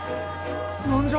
何じゃ？